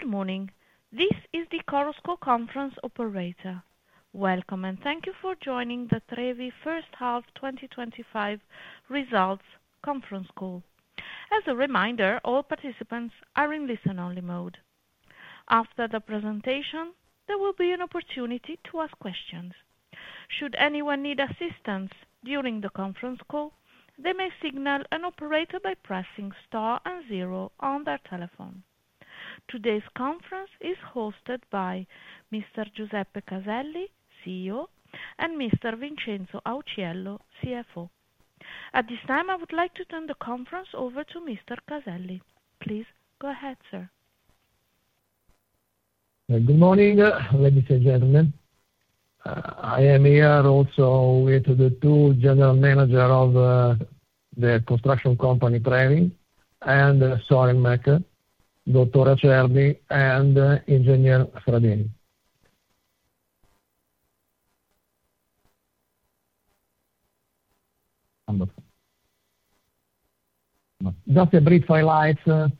Good morning. This is the Chorus Call conference operator. Welcome and thank you for joining the TREVI First Half 2025 Results Conference Call. As a reminder, all participants are in listen-only mode. After the presentation, there will be an opportunity to ask questions. Should anyone need assistance during the conference call, they may signal an operator by pressing star and zero on their telephone. Today's conference is hosted by Mr. Giuseppe Caselli, CEO, and Mr. Vincenzo Auciello, CFO. At this time, I would like to turn the conference over to Mr. Caselli. Please go ahead, sir. Good morning, ladies and gentlemen. I am here also with the two General Managers of the construction company, TREVI, and Soilmec, Dr. Acerbi and Engineer Stradini. Just a brief highlight, and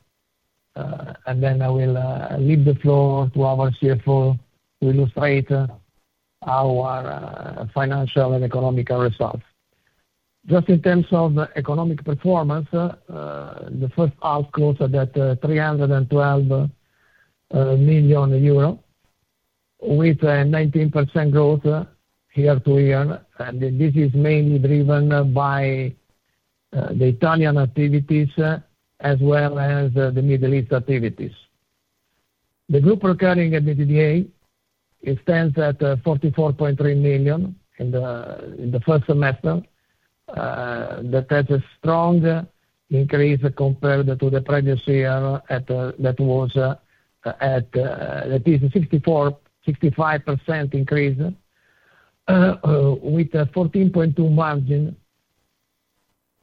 then I will leave the floor to our CFO to illustrate our financial and economic results. Just in terms of economic performance, the first outputs are that 312 million euro with a 19% growth year to year, and this is mainly driven by the Italian activities as well as the Middle East activities. The group recurring EBITDA stands at 44.3 million in the first semester. That is a strong increase compared to the previous year that was at at least a 64%, 65% increase with a 14.2% margin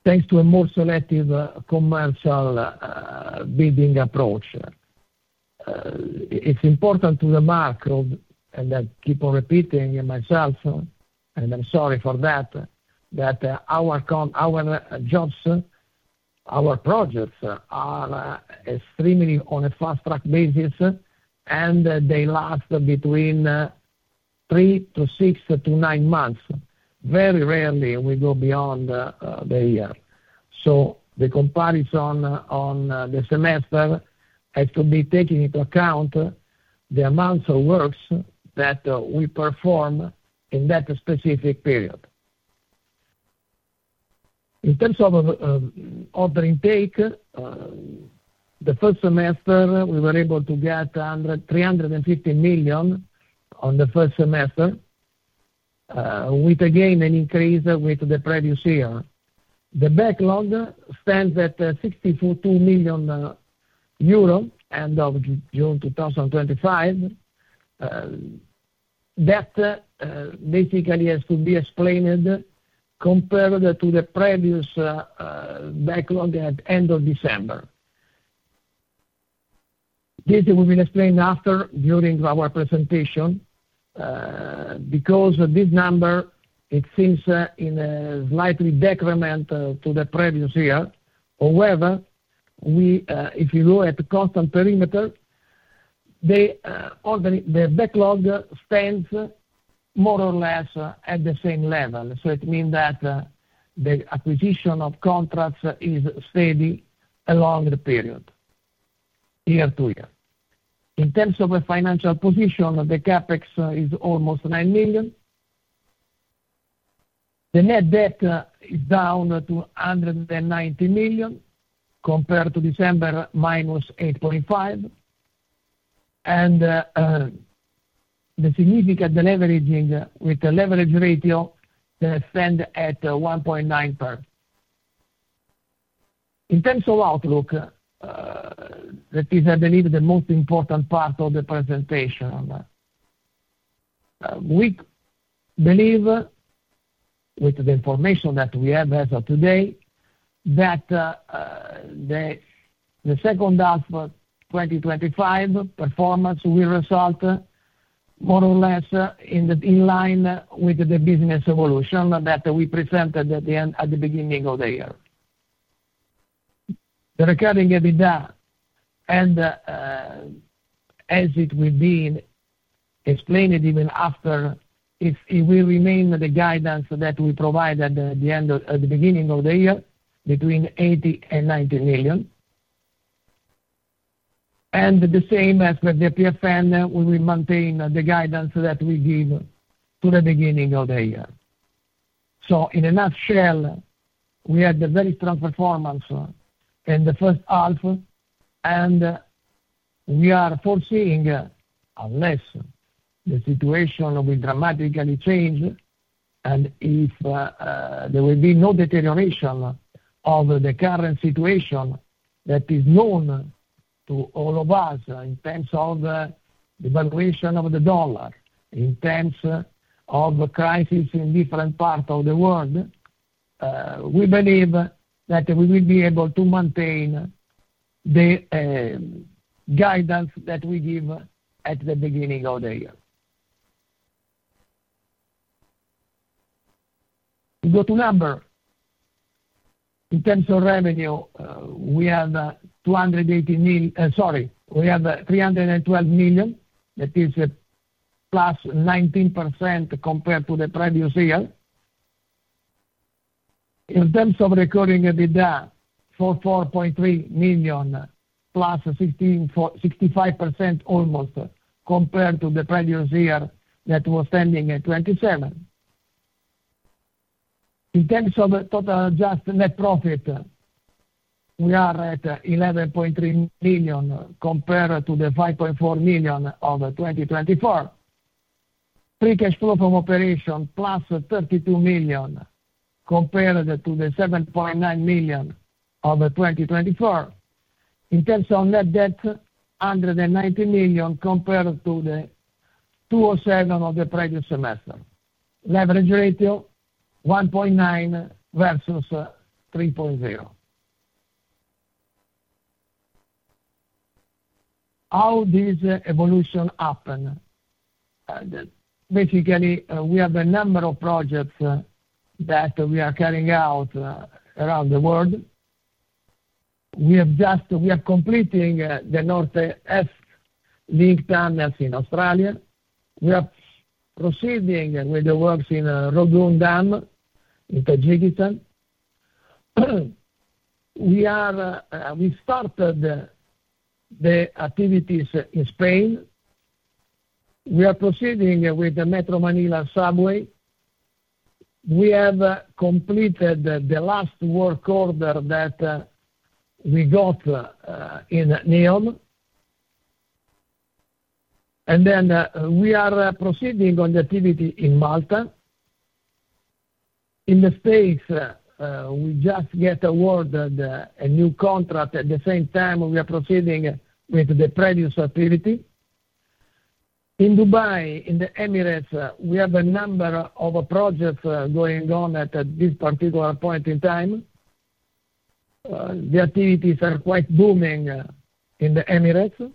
thanks to a more selective commercial bidding approach. It's important to the market, and I keep on repeating myself, and I'm sorry for that, that our jobs, our projects are extremely on a fast-track basis, and they last between three to six to nine months. Very rarely we go beyond the year. The comparison on the semester, it could be taking into account the amounts of works that we perform in that specific period. In terms of the order intake, the first semester, we were able to get 315 million on the first semester, with again an increase with the previous year. The backlog stands at 62 million euro end of June 2025. That basically has to be explained compared to the previous backlog at the end of December. This will be explained after during our presentation because this number, it seems in a slightly decrement to the previous year. However, if you look at the constant perimeter, the backlog stands more or less at the same level. It means that the acquisition of contracts is steady along the period, year-to-year. In terms of a financial position, the CapEx is almost 9 million. The net debt is down to 190 million compared to December -8.5 million. The significant deleveraging with the leverage ratio that stands at 1.9%. In terms of outlook, that is, I believe, the most important part of the presentation. We believe, with the information that we have as of today, that the second half of 2025 performance will result more or less in line with the business evolution that we presented at the beginning of the year. The recurring EBITDA and as it will be explained even after, it will remain the guidance that we provided at the end of the beginning of the year between 80 million and 90 million. The same as with the PFN, we will maintain the guidance that we give at the beginning of the year. In a nutshell, we had a very strong performance in the first half, and we are foreseeing, unless the situation will dramatically change and if there will be no deterioration of the current situation that is known to all of us in terms of the valuation of the dollar, in terms of crises in different parts of the world, we believe that we will be able to maintain the guidance that we give at the beginning of the year. To go to numbers, in terms of revenue, we have 218 million, sorry, we have 312 million. That is a plus 19% compared to the previous year. In terms of recurring EBITDA, 44.3 million plus 65% almost compared to the previous year that was standing at 27 million. In terms of total adjusted net profit, we are at 11.3 million compared to the 5.4 million of 2024. Free cash flow from operation plus 32 million compared to the 7.9 million of 2024. In terms of net debt, 190 million compared to the 207 million of the previous semester. Leverage ratio 1.9 versus 3.0. How did this evolution happen? Basically, we have a number of projects that we are carrying out around the world. We are completing the North-East Link tunnels in Australia. We are proceeding with the works in RogunDam in Tajikistan. We started the activities in Spain. We are proceeding with the Metro Manila subway. We have completed the last work order that we got in Neom. We are proceeding on the activity in Malta. In the space, we just get awarded a new contract. At the same time, we are proceeding with the previous activity. In Dubai, in the Emirates, we have a number of projects going on at this particular point in time. The activities are quite booming in the Emirates.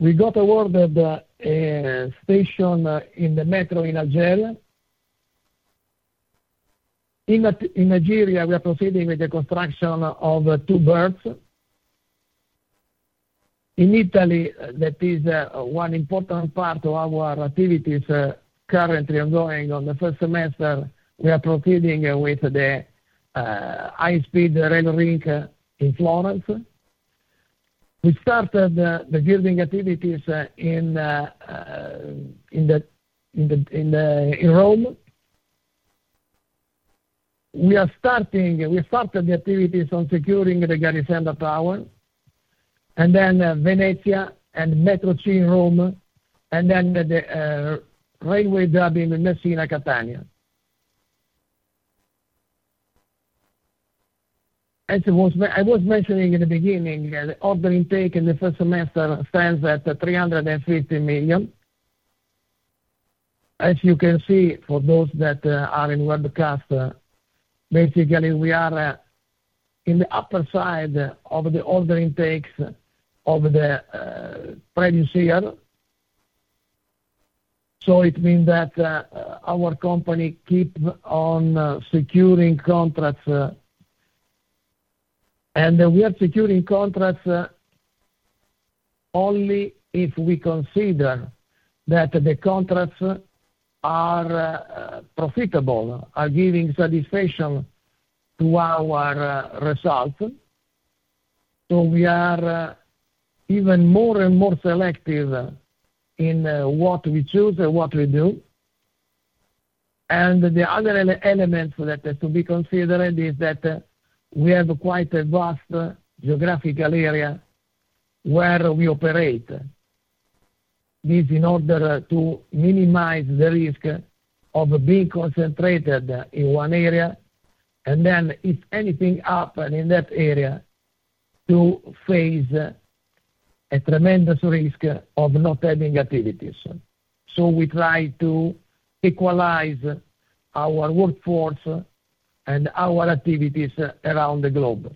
We got awarded a station in the metro in Algeria. In Nigeria, we are proceeding with the construction of two birds. In Italy, that is one important part of our activities currently ongoing on the first semester. We are proceeding with the high-speed rail link in Florence. We started the building activities in Rome. We started the activities on securing the Garisenda Tower. Venezia and Metro C in Rome. The railway job in Messina-Catania. As I was mentioning in the beginning, the order intake in the first semester stands at 350 million. As you can see, for those that are in webcast, we are in the upper side of the order intakes of the previous year. It means that our company keeps on securing contracts. We are securing contracts only if we consider that the contracts are profitable, are giving satisfaction to our result. We are even more and more selective in what we choose and what we do. The other element that has to be considered is that we have quite a vast geographical area where we operate. This is in order to minimize the risk of being concentrated in one area. If anything happened in that area, we would face a tremendous risk of not having activities. We try to equalize our workforce and our activities around the globe.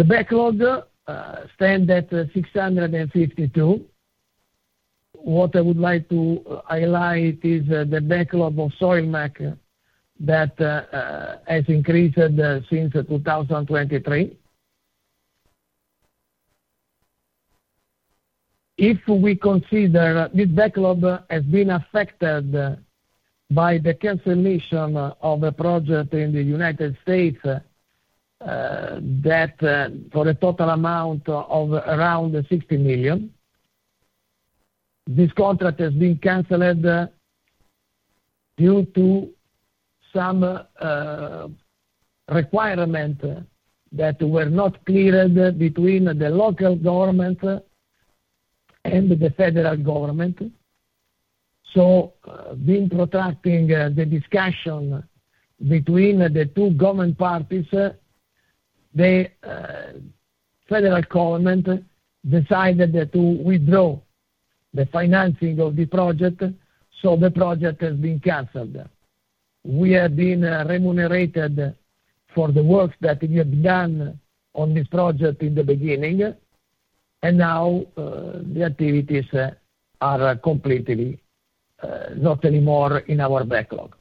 The backlog stands at 652 million. What I would like to highlight is the backlog of Soilmec that has increased since 2023. If we consider this, the backlog has been affected by the cancellation of a project in the U.S. for a total amount of around 60 million. This contract has been cancelled due to some requirements that were not cleared between the local government and the federal government. The discussion between the two government parties was protracted, and the federal government decided to withdraw the financing of the project. The project has been cancelled. We have been remunerated for the work that we have done on this project in the beginning. Now the activities are completely not anymore in our backlog.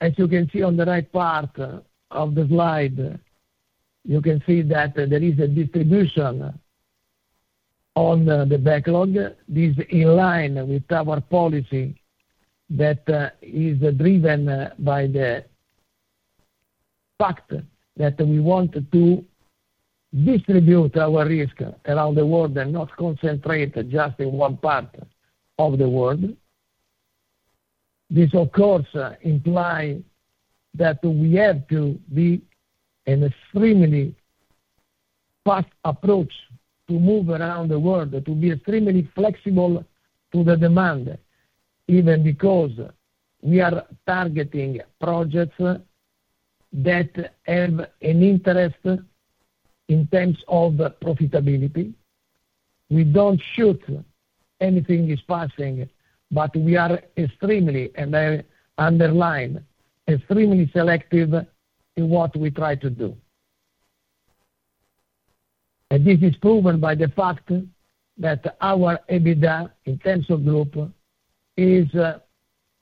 As you can see on the right part of the slide, there is a distribution on the backlog. This is in line with our policy that is driven by the fact that we want to distribute our risk around the world and not concentrate just in one part of the world. This, of course, implies that we have to be extremely fast in our approach to move around the world, to be extremely flexible to the demand, even because we are targeting projects that have an interest in terms of profitability. We don't shoot anything that is passing, but we are extremely, and I underline, extremely selective in what we try to do. This is proven by the fact that our EBITDA in terms of group is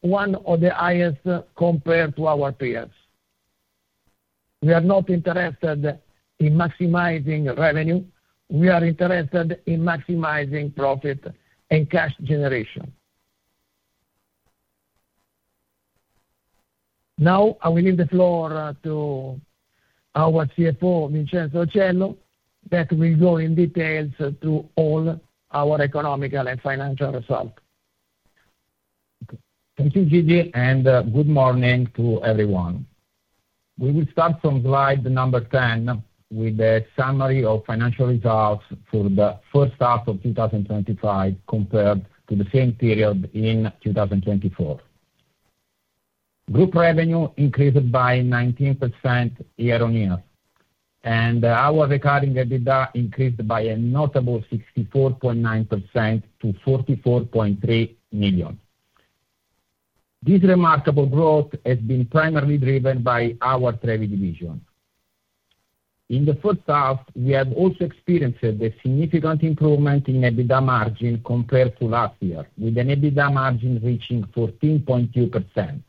one of the highest compared to our peers. We are not interested in maximizing revenue. We are interested in maximizing profit and cash generation. Now, I will leave the floor to our CFO, Vincenzo Auciello, that will go in details to all our economical and financial results. Thank you, Gigi, and good morning to everyone. We will start from slide number 10 with a summary of financial results for the first half of 2025 compared to the same period in 2024. Group revenue increased by 19% year on year, and our recurring EBITDA increased by a notable 64.9% to 44.3 million. This remarkable growth has been primarily driven by our TREVI division. In the first half, we have also experienced a significant improvement in EBITDA margin compared to last year, with an EBITDA margin reaching 14.2%.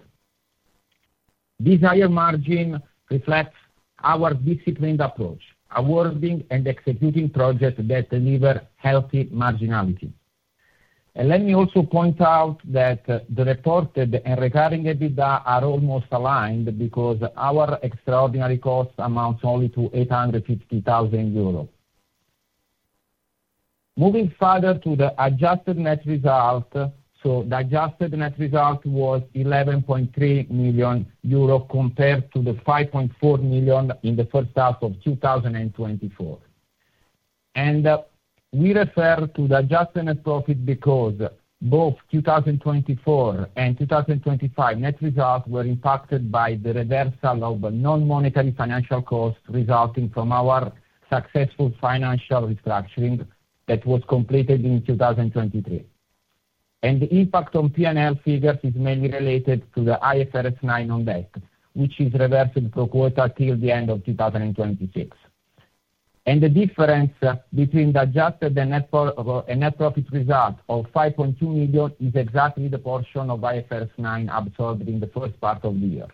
This higher margin reflects our disciplined approach, awarding and executing projects that deliver healthy marginality. Let me also point out that the reported and recurring EBITDA are almost aligned because our extraordinary cost amounts only to 0.85 million euros. Moving further to the adjusted net result, the adjusted net result was 11.3 million euro compared to 5.4 million in the first half of 2024. We refer to the adjusted net profit because both 2024 and 2025 net results were impacted by the reversal of non-monetary financial costs resulting from our successful financial restructuring that was completed in 2023. The impact on P&L figures is mainly related to the IFRS 9 on deck, which is reversed pro quota till the end of 2026. The difference between the adjusted and net profit result of 5.2 million is exactly the portion of IFRS 9 absorbed in the first part of the year.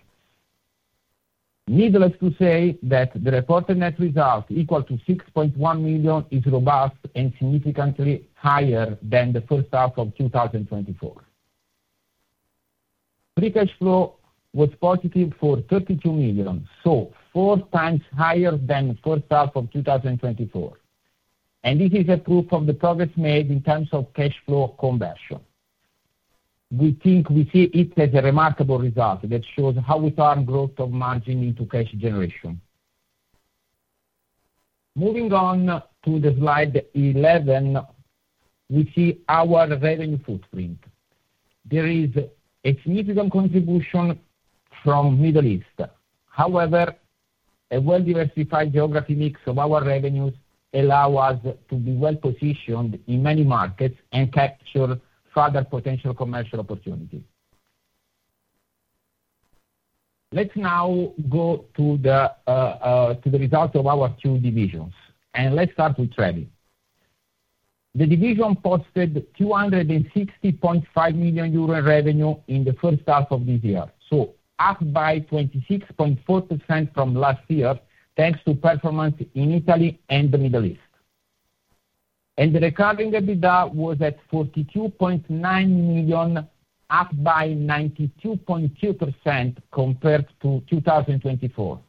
Needless to say, the reported net result equal to 6.1 million is robust and significantly higher than the first half of 2024. Free cash flow was positive for 32 million, 4x higher than the first half of 2024. This is a proof of the progress made in terms of cash flow conversion. We think we see it as a remarkable result that shows how we turn growth of margin into cash generation. Moving on to slide 11, we see our revenue footprint. There is a significant contribution from the Middle East. However, a well-diversified geography mix of our revenues allows us to be well-positioned in many markets and capture further potential commercial opportunities. Let's now go to the results of our two divisions, and let's start with TREVI. The division posted 260.5 million euro in revenue in the first half of this year, up by 26.4% from last year, thanks to performance in Italy and the Middle East. The recurring EBITDA was at 42.9 million, up by 92.2% compared to 2024,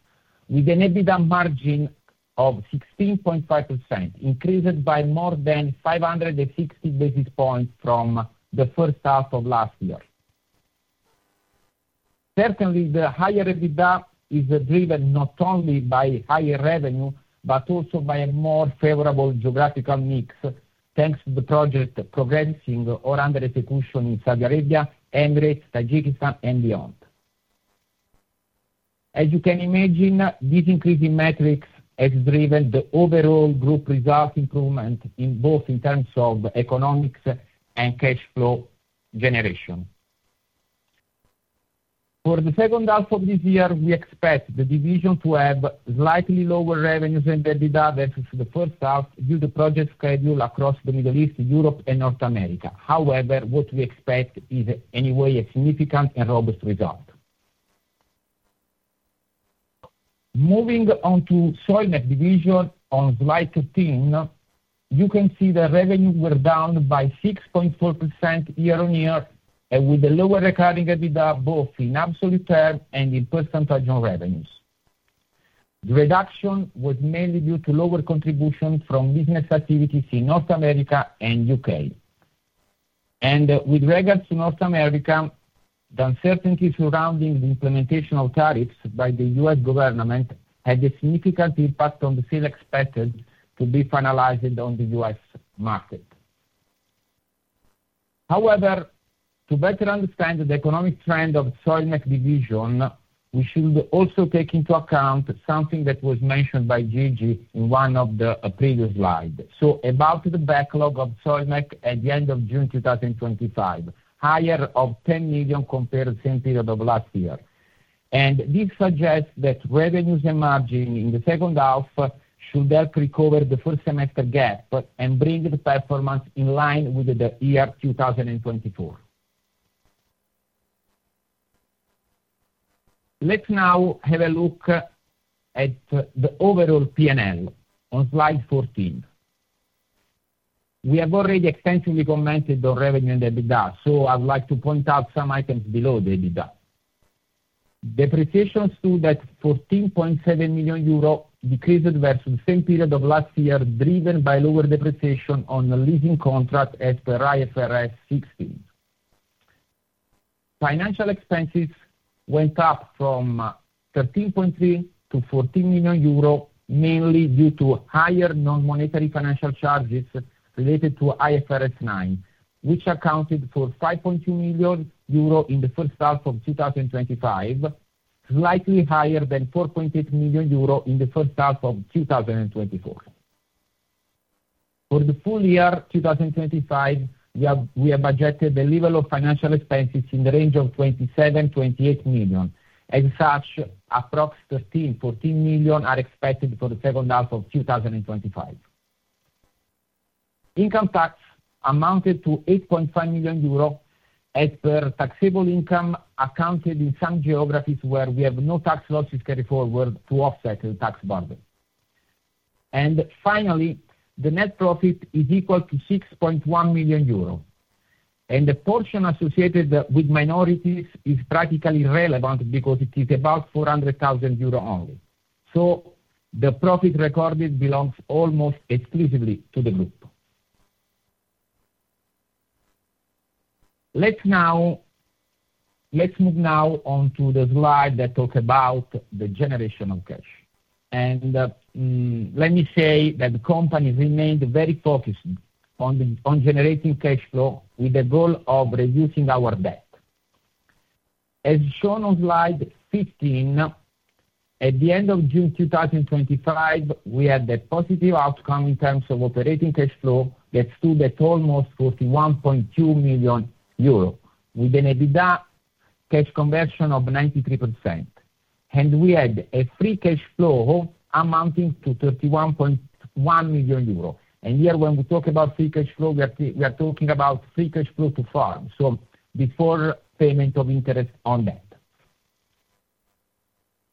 with an EBITDA margin of 16.5%, increased by more than 560 basis points from the first half of last year. Certainly, the higher EBITDA is driven not only by higher revenue, but also by a more favorable geographical mix, thanks to the project progressing or under execution in Saudi Arabia, UAE, Tajikistan, and beyond. As you can imagine, this increase in metrics has driven the overall group result improvement in both in terms of economics and cash flow generation. For the second half of this year, we expect the division to have slightly lower revenues and EBITDA versus the first half due to project schedule across the Middle East, Europe, and North America. However, what we expect is anyway a significant and robust result. Moving on to the Soilmec division on slide 13, you can see the revenue were down by 6.4% year on year, and with a lower recurring EBITDA both in absolute terms and in percentage on revenues. The reduction was mainly due to lower contribution from business activities in North America and U.K. With regards to North America, the uncertainty surrounding the implementation of tariffs by the U.S. government had a significant impact on the sale expected to be finalized on the U.S. market. To better understand the economic trend of the Soilmec division, we should also take into account something that was mentioned by Gigi in one of the previous slides, about the backlog of Soilmec at the end of June 2025, higher of 10 million compared to the same period of last year. This suggests that revenues and margin in the second half should help recover the first semester gap and bring the performance in line with the year 2024. Let's now have a look at the overall P&L on slide 14. We have already extensively commented on revenue and EBITDA, so I would like to point out some items below the EBITDA. Depreciations to that 14.7 million euro decreased versus the same period of last year, driven by lower depreciation on the leasing contract as per IFRS 16. Financial expenses went up from 13.3 million to 14 million euro, mainly due to higher non-monetary financial charges related to IFRS 9, which accounted for 5.2 million euro in the first half of 2025, slightly higher than 4.8 million euro in the first half of 2024. For the full year 2025, we have budgeted the level of financial expenses in the range of 27 million-28 million. As such, approximately 13 million-14 million are expected for the second half of 2025. Income tax amounted to 8.5 million euros as per taxable income, accounted in some geographies where we have no tax losses carried forward to offset the tax burden. Finally, the net profit is equal to 6.1 million euros, and the portion associated with minorities is practically irrelevant because it is about 400,000 euro only. The profit recorded belongs almost exclusively to the group. Let's now move on to the slide that talks about the generation of cash. Let me say that the company has remained very focused on generating cash flow with the goal of reducing our debt. As shown on slide 15, at the end of June 2025, we had a positive outcome in terms of operating cash flow that stood at almost 41.2 million euro, with an EBITDA cash conversion of 93%. We had a free cash flow amounting to 31.1 million euros. Here when we talk about free cash flow, we are talking about free cash flow to firm, so before payment of interest on that.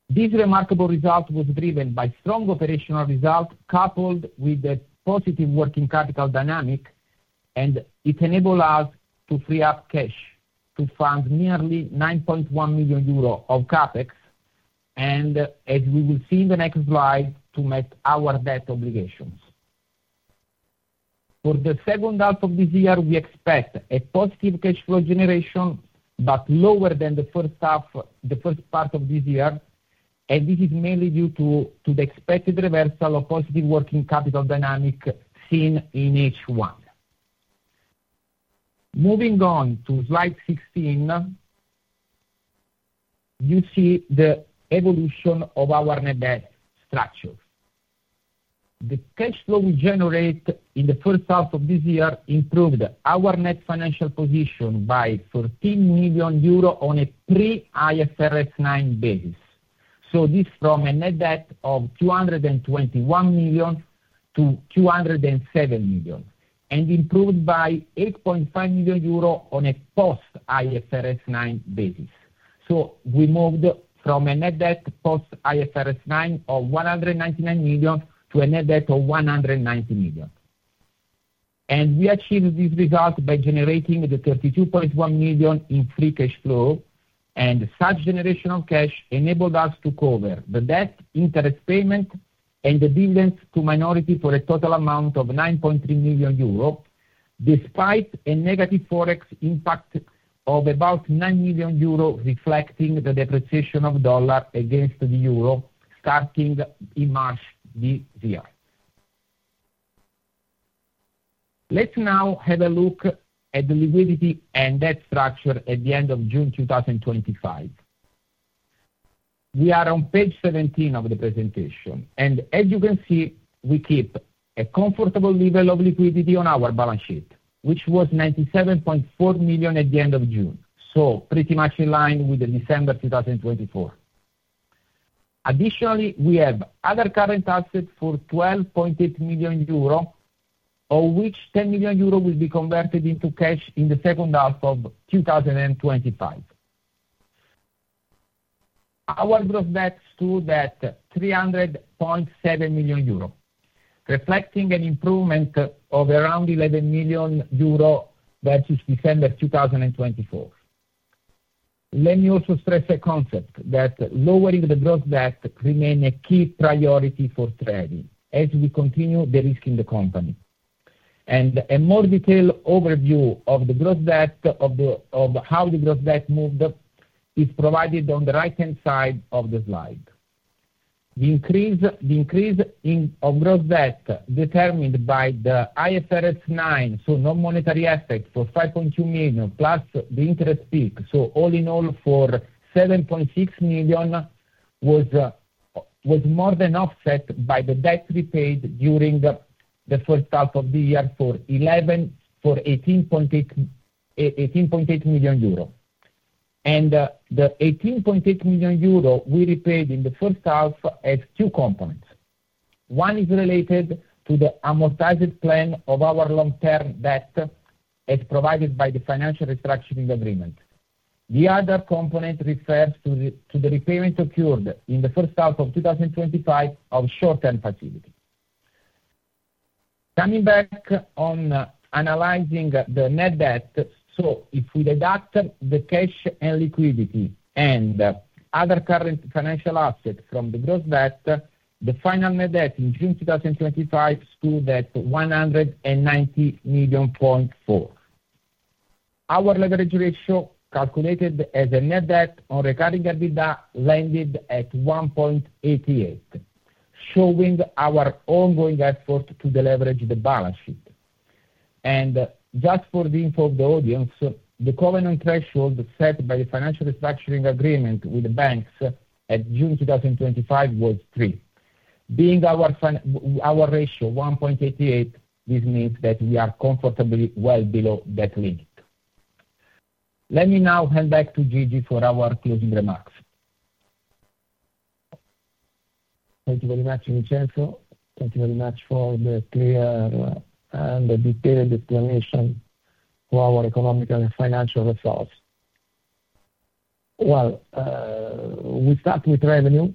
This remarkable result was driven by strong operational results coupled with the positive working capital dynamic, and it enabled us to free up cash to fund nearly 9.1 million euro of CapEx, and as we will see in the next slide, to meet our debt obligations. For the second half of this year, we expect a positive cash flow generation, but lower than the first half, the first part of this year, and this is mainly due to the expected reversal of positive working capital dynamic seen in H1. Moving on to slide 16, you see the evolution of our net debt structure. The cash flow we generate in the first half of this year improved our net financial position by 14 million euro on a pre-IFRS 9 basis. This is from a net debt of 221 million to 207 million, and improved by 8.5 million euro on a post-IFRS 9 basis. We moved from a net debt post-IFRS 9 of 199 million to a net debt of 190 million. We achieved this result by generating the 32.1 million in free cash flow, and such generation of cash enabled us to cover the debt, interest payment, and the dividends to minority for a total amount of 9.3 million euro, despite a negative forex impact of about 9 million euro, reflecting the depreciation of dollar against the euro starting in March this year. Let's now have a look at the liquidity and debt structure at the end of June 2025. We are on page 17 of the presentation, and as you can see, we keep a comfortable level of liquidity on our balance sheet, which was 97.4 million at the end of June, pretty much in line with December 2024. Additionally, we have other current assets for 12.8 million euro, of which 10 million euro will be converted into cash in the second half of 2025. Our gross debt stood at 300.7 million euro, reflecting an improvement of around 11 million euro versus December 2024. Let me also stress a concept that lowering the gross debt remains a key priority for TREVI as we continue the risk in the company. A more detailed overview of the gross debt, of how the gross debt moved, is provided on the right-hand side of the slide. The increase in gross debt determined by the IFRS 9, so non-monetary assets for 5.2 million plus the interest peak, all in all for 7.6 million, was more than offset by the debt repaid during the first half of the year for 18.8 million euro. The 18.8 million euro we repaid in the first half has two components. One is related to the amortized plan of our long-term debt as provided by the financial restructuring agreement. The other component refers to the repayment occurred in the first half of 2025 of short-term facility. Coming back on analyzing the net debt, if we deduct the cash and liquidity and other current financial assets from the gross debt, the final net debt in June 2025 stood at 190.4 million. Our leverage ratio calculated as net debt on recurring EBITDA landed at 1.88, showing our ongoing effort to deleverage the balance sheet. Just for the info of the audience, the covenant threshold set by the financial restructuring agreement with the banks at June 2025 was 3. Being our ratio 1.88, this means that we are comfortably well below that limit. Let me now hand back to Gigi for our closing remarks. Thank you very much, Vincenzo. Thank you very much for the clear and detailed explanation of our economic and financial results. We start with revenue.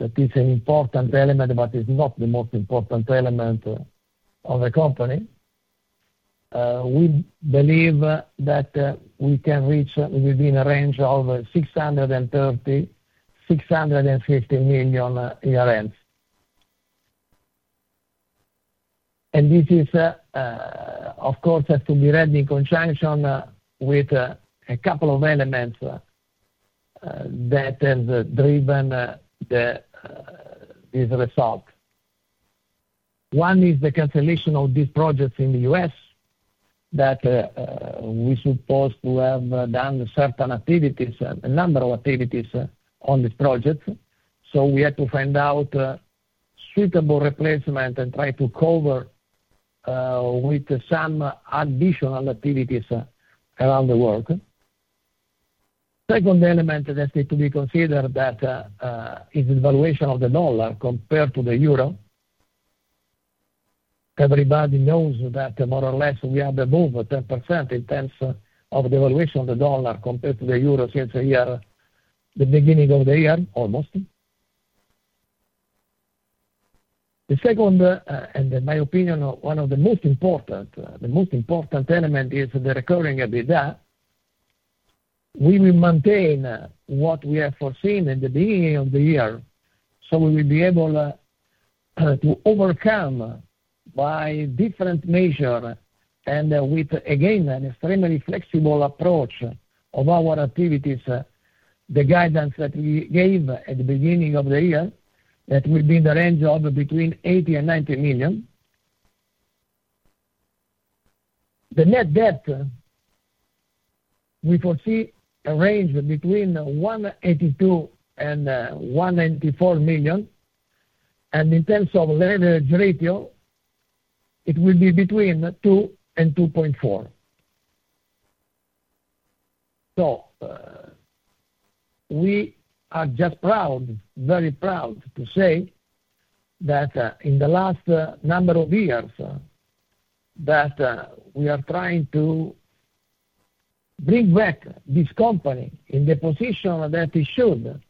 That is an important element, but it's not the most important element of the company. We believe that we can reach within a range of 630 million-650 million. This, of course, has to be read in conjunction with a couple of elements that have driven this result. One is the cancellation of these projects in the U.S. that we supposed to have done certain activities, a number of activities on this project. We had to find out a suitable replacement and try to cover with some additional activities around the world. The second element that has to be considered is the valuation of the dollar compared to the euro. Everybody knows that more or less we are above 10% in terms of the valuation of the dollar compared to the euro since the beginning of the year, almost. The second, and in my opinion, one of the most important, the most important element is the recurring EBITDA. We will maintain what we have foreseen at the beginning of the year. We will be able to overcome by different measures and with, again, an extremely flexible approach of our activities, the guidance that we gave at the beginning of the year that will be in the range of between 80 million and 90 million. The net debt, we foresee a range between 182 million and 194 million. In terms of leverage ratio, it will be between 2 and 2.4. We are just proud, very proud to say that in the last number of years, we are trying to bring back this company in the position that it should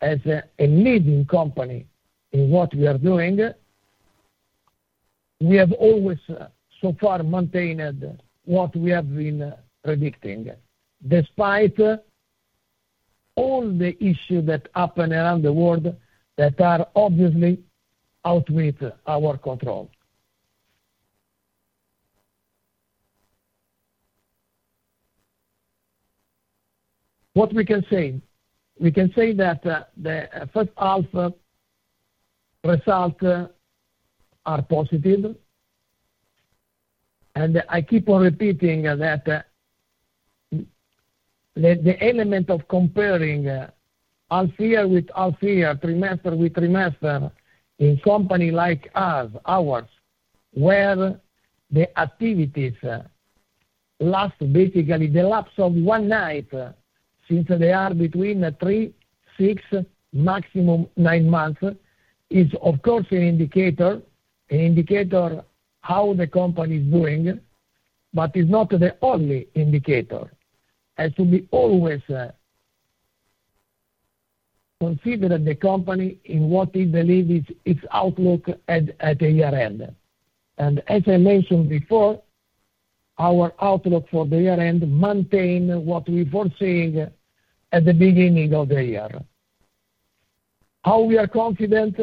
as a leading company in what we are doing. We have always so far maintained what we have been predicting, despite all the issues that happen around the world that are obviously out with our control. What we can say, we can say that the first half results are positive. I keep on repeating that the element of comparing unfair with unfair, trimester with trimester in a company like ours, where the activities last basically the lapse of one night since they are between three, six, maximum nine months, is, of course, an indicator, an indicator of how the company is doing, but it's not the only indicator. It has to be always considered the company in what it believes its outlook at the year-end. As I mentioned before, our outlook for the year-end maintains what we were seeing at the beginning of the year. How we are confident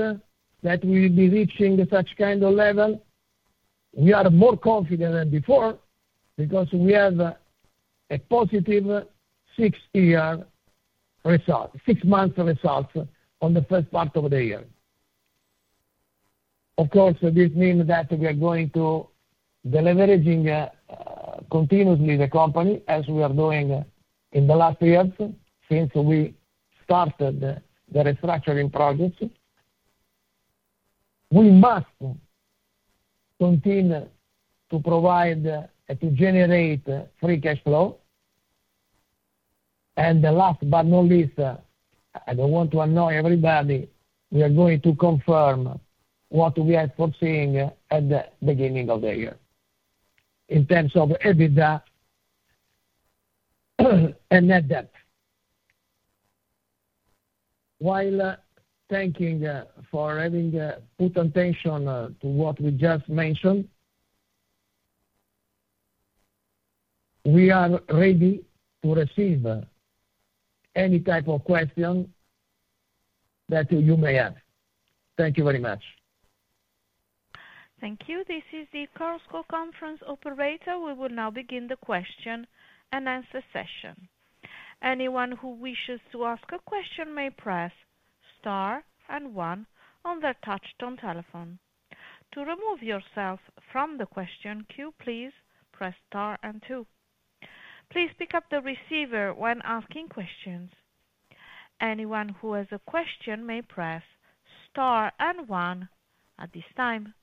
that we will be reaching such kind of level, we are more confident than before because we have a positive six-month result on the first part of the year. Of course, this means that we are going to be leveraging continuously the company as we are doing in the last years since we started the restructuring project. We must continue to provide and to generate free cash flow. Last but not least, I don't want to annoy everybody, we are going to confirm what we are foreseeing at the beginning of the year in terms of EBITDA and net debt. While thanking for having put attention to what we just mentioned, we are ready to receive any type of question that you may have. Thank you very much. Thank you. This is the Chorus Call conference operator. We will now begin the question and answer session. Anyone who wishes to ask a question may press star and one on their touch-tone telephone. To remove yourself from the question queue, please press star and two. Please pick up the receiver when asking questions. Anyone who has a question may press star and one at this time.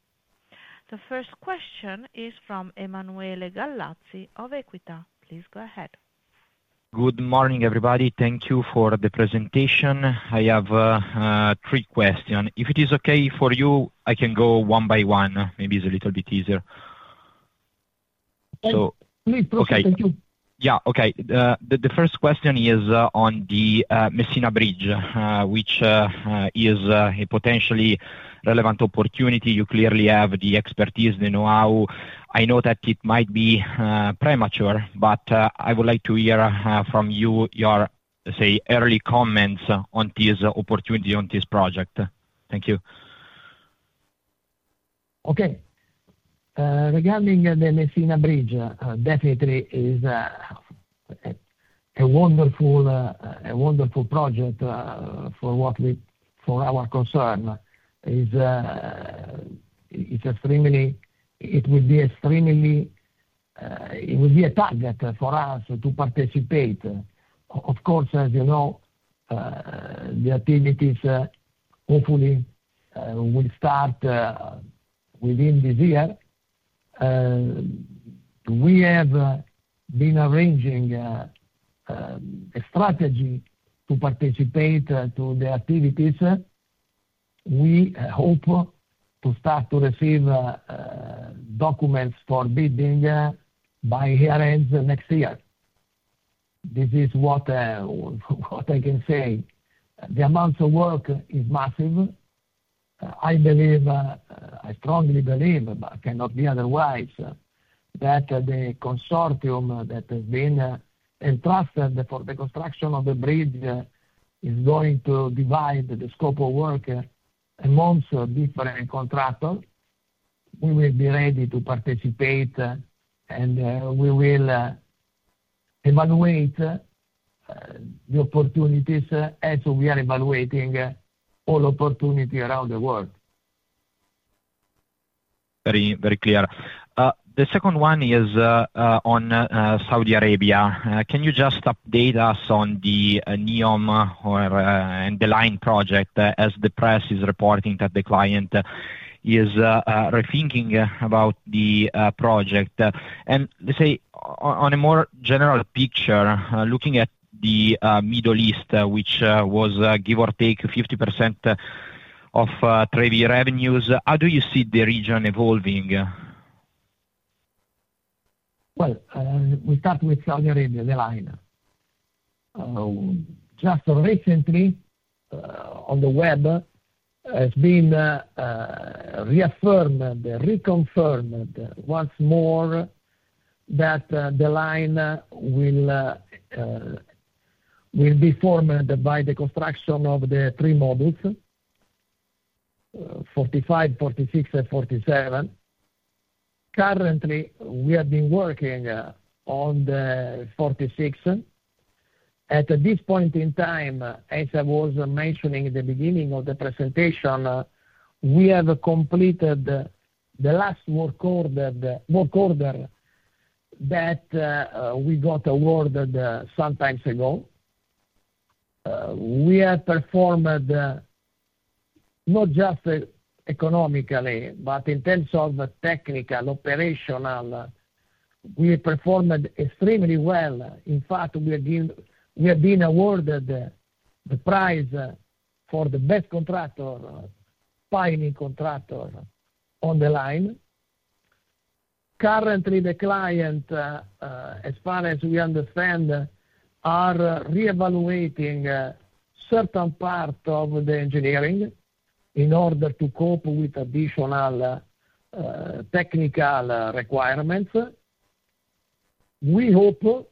The first question is from Emanuele Galazzi of Equita. Please go ahead. Good morning, everybody. Thank you for the presentation. I have three questions. If it is okay for you, I can go one by one. Maybe it's a little bit easier. Okay, thank you. Yeah. Okay. The first question is on the Messina Bridge, which is a potentially relevant opportunity. You clearly have the expertise, the know-how. I know that it might be premature, but I would like to hear from you your, say, early comments on this opportunity, on this project. Thank you. Okay. Regarding the Messina Bridge, definitely is a wonderful project for what our concern. It would be extremely, it would be a target for us to participate. Of course, as you know, the activities hopefully will start within this year. We have been arranging a strategy to participate in the activities. We hope to start to receive documents for bidding by the year-end next year. This is what I can say. The amount of work is massive. I believe, I strongly believe, but it cannot be otherwise, that the consortium that has been entrusted for the construction of the bridge is going to divide the scope of work amongst different contractors. We will be ready to participate, and we will evaluate the opportunities as we are evaluating all opportunities around the world. Very, very clear. The second one is on Saudi Arabia. Can you just update us on the Neom or The Line project as the press is reporting that the client is rethinking about the project? On a more general picture, looking at the Middle East, which was give or take 50% of TREVI revenues, how do you see the region evolving? We start with Saudi Arabia, The Line. Just recently, on the web, it has been reaffirmed, reconfirmed once more that The Line will be formed by the construction of the three modules, 45, 46, and 47. Currently, we have been working on the 46. At this point in time, as I was mentioning at the beginning of the presentation, we have completed the last work order that we got awarded some time ago. We have performed not just economically, but in terms of technical operational, we performed extremely well. In fact, we have been awarded the prize for the best contractor, the pioneer contractor on The Line. Currently, the client, as far as we understand, is reevaluating certain parts of the engineering in order to cope with additional technical requirements. We hope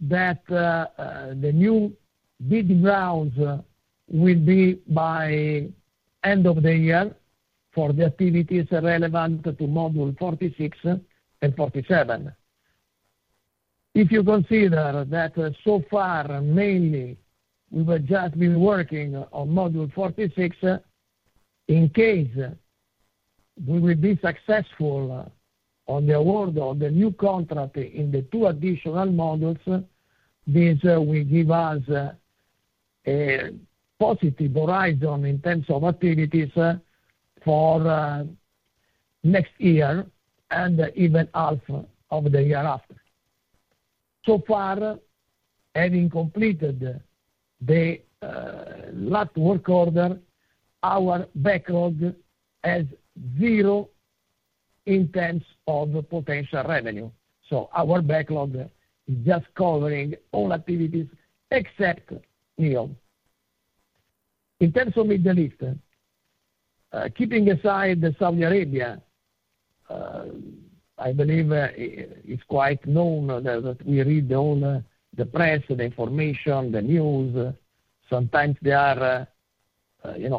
that the new bid rounds will be by the end of the year for the activities relevant to module 46 and 47. If you consider that so far, mainly, we've just been working on module 46, in case we will be successful on the award of the new contract in the two additional modules, this will give us a positive horizon in terms of activities for next year and even half of the year after. So far, having completed the last work order, our backlog has zero in terms of potential revenue. Our backlog is just covering all activities except Neom. In terms of the Middle East, keeping aside Saudi Arabia, I believe it's quite known that we read all the press, the information, the news. Sometimes they are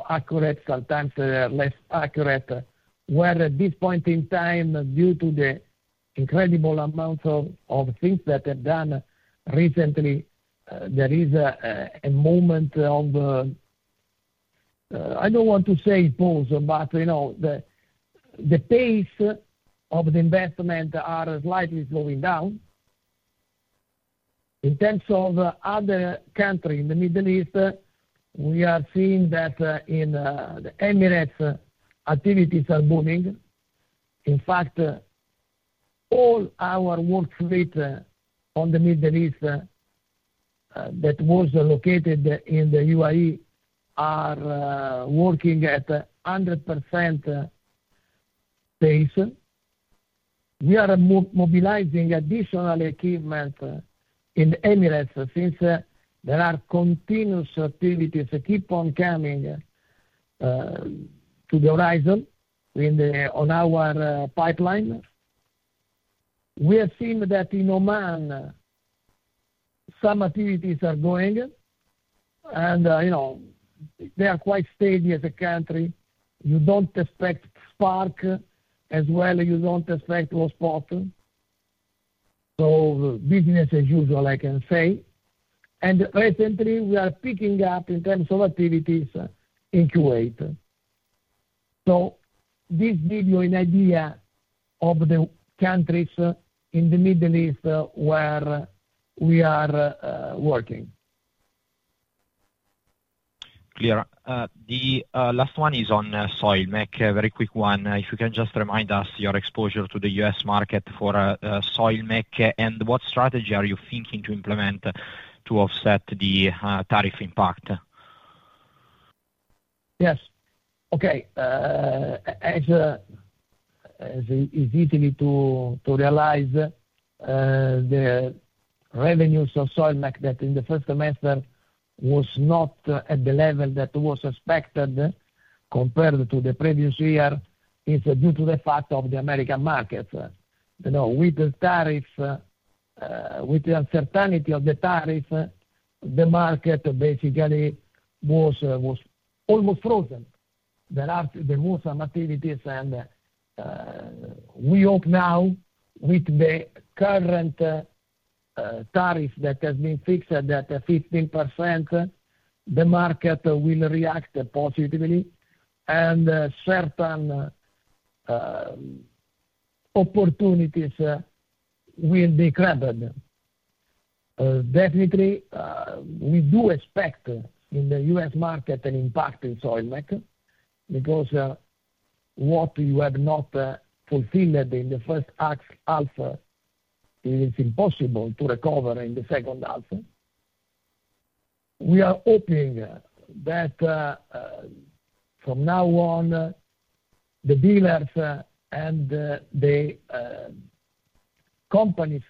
accurate, sometimes they are less accurate. At this point in time, due to the incredible amount of things that are done recently, there is a moment of, I don't want to say pause, but you know the pace of the investment is slightly slowing down. In terms of other countries in the Middle East, we are seeing that in the Emirates, activities are booming. In fact, all our work fleet on the Middle East that was located in the UAE is working at 100% pace. We are mobilizing additional equipment in the Emirates since there are continuous activities that keep on coming to the horizon on our pipeline. We have seen that in Oman, some activities are going, and you know they are quite steady as a country. You don't expect spark as well. You don't expect lost spot. Business as usual, I can say. Recently, we are picking up in terms of activities in Kuwait. This gives you an idea of the countries in the Middle East where we are working. The last one is on Soilmec. A very quick one. If you can just remind us your exposure to the U.S. market for Soilmec and what strategy are you thinking to implement to offset the tariff impact? Yes. Okay. As it is easy to realize, the revenues of Soilmec that in the first semester were not at the level that was expected compared to the previous year is due to the fact of the American market. You know, with the tariffs, with the uncertainty of the tariffs, the market basically was almost frozen. There were some activities, and we hope now with the current tariff that has been fixed at 15%, the market will react positively, and certain opportunities will be credited. Definitely, we do expect in the U.S. market an impact in Soilmec because what you have not obtained in the first half is impossible to recover in the second half. We are hoping that from now on, the dealers and the companies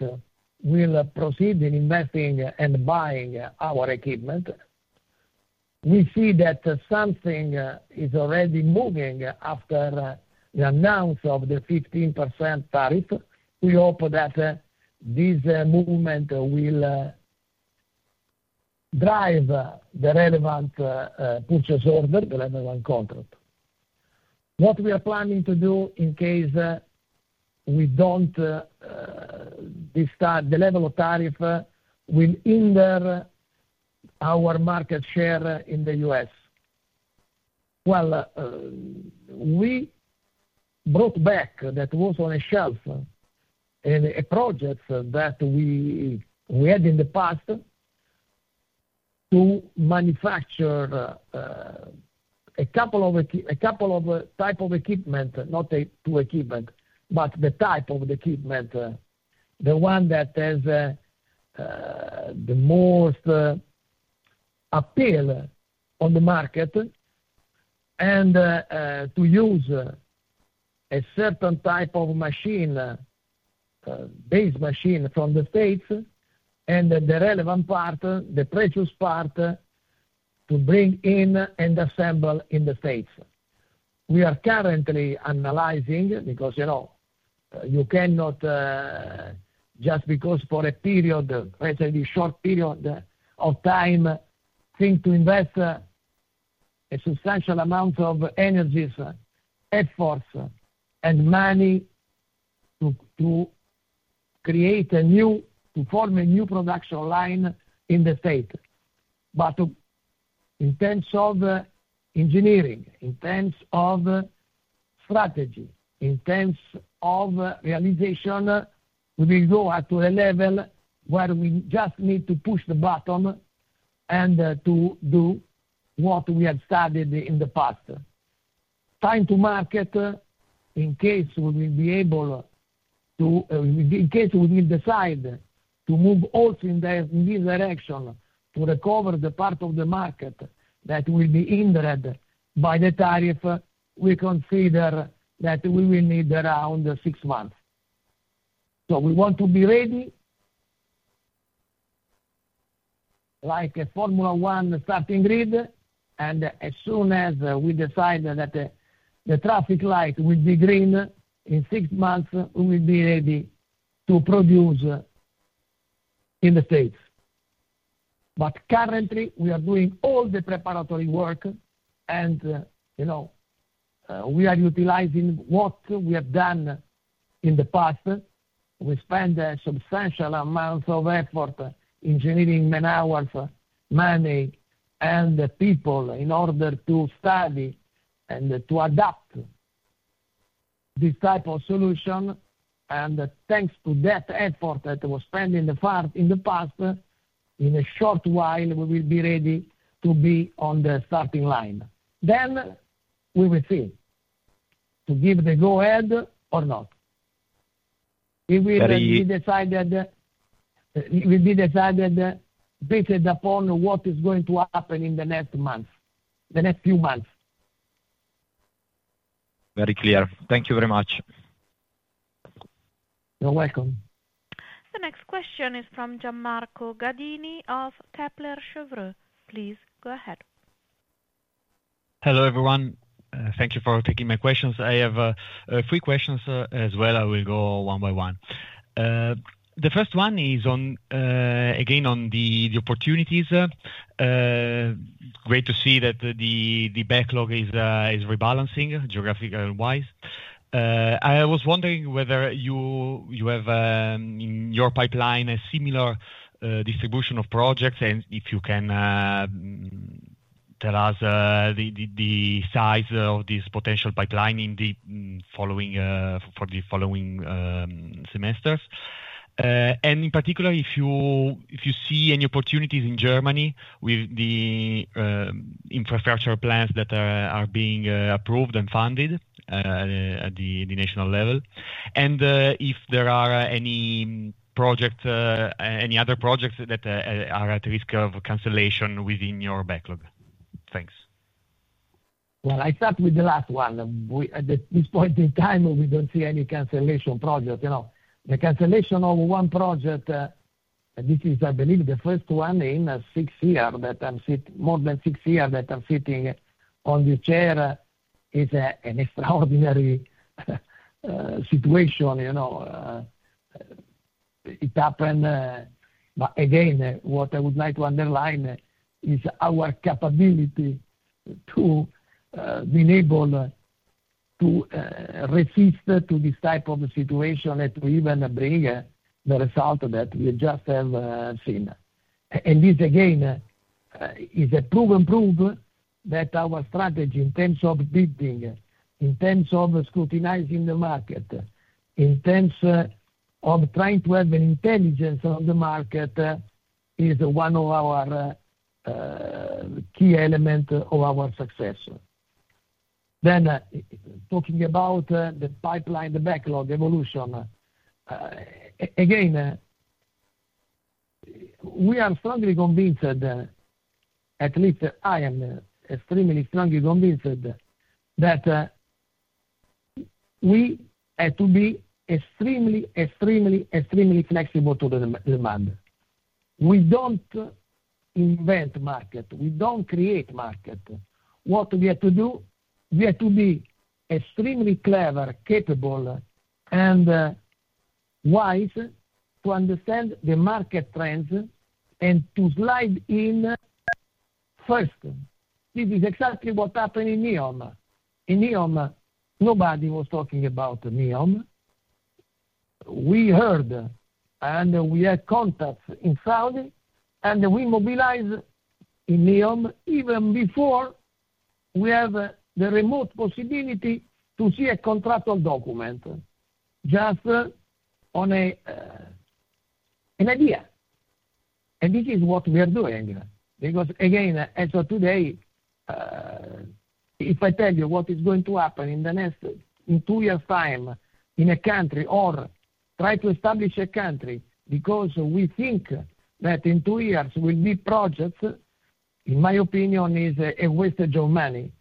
will proceed in investing and buying our equipment. We see that something is already moving after the announcement of the 15% tariff. We hope that this movement will drive the relevant purchase order, the relevant contract. What we are planning to do in case we don't start, the level of tariff will hinder our market share in the U.S. We brought back that was on a shelf in a project that we had in the past to manufacture a couple of types of equipment, not two equipment, but the type of the equipment, the one that has the most appeal on the market, and to use a certain type of machine, base machine from the States, and the relevant part, the precious part, to bring in and assemble in the States. We are currently analyzing because you know, you cannot just because for a period, a relatively short period of time, think to invest a substantial amount of energy, effort, and money to create a new, to form a new production line in the States. In terms of engineering, in terms of strategy, in terms of realization, we will go at a level where we just need to push the button and to do what we have started in the past. Time to market in case we will be able to, in case we will decide to move also in this direction to recover the part of the market that will be hindered by the tariff, we consider that we will need around six months. We want to be ready, like a Formula 1 starting grid, and as soon as we decide that the traffic light will be green, in six months, we will be ready to produce in the States. Currently, we are doing all the preparatory work, and you know we are utilizing what we have done in the past. We spent a substantial amount of effort, engineering man hours, money, and people in order to study and to adapt this type of solution. Thanks to that effort that was spent in the past, in a short while, we will be ready to be on the starting line. We will see to give the go-ahead or not. It will be decided based upon what is going to happen in the next month, the next few months. Very clear. Thank you very much. You're welcome. The next question is from Gian Marco Gadini of Kepler Cheuvreux. Please go ahead. Hello, everyone. Thank you for taking my questions. I have three questions as well. I will go one by one. The first one is on, again, on the opportunities. Great to see that the backlog is rebalancing geographically-wise. I was wondering whether you have in your pipeline a similar distribution of projects, and if you can tell us the size of this potential pipeline for the following semesters. In particular, if you see any opportunities in Germany with the infrastructure plans that are being approved and funded at the national level, and if there are any other projects that are at risk of cancellation within your backlog. Thanks. At this point in time, we don't see any cancellation projects. The cancellation of one project, and this is, I believe, the first one in six years that I'm sitting, more than six years that I'm sitting on the chair, is an extraordinary situation. You know it happened. What I would like to underline is our capability to be able to resist this type of situation and to even bring the result that we just have seen. This, again, is a proven proof that our strategy in terms of bidding, in terms of scrutinizing the market, in terms of trying to have an intelligence on the market is one of our key elements of our success. Talking about the pipeline, the backlog evolution, we are strongly convinced, at least I am extremely strongly convinced, that we have to be extremely, extremely, extremely flexible to the demand. We don't invent market. We don't create market. What we have to do is we have to be extremely clever, capable, and wise to understand the market trends and to slide in first. This is exactly what happened in Neom. In Neom, nobody was talking about Neom. We heard and we had contacts in Saudi, and we mobilized in Neom even before we had the remote possibility to see a contractual document just on an idea. This is what we are doing. As of today, if I tell you what is going to happen in the next two years' time in a country or try to establish a country because we think that in two years will be projects, in my opinion, is a wastage of money.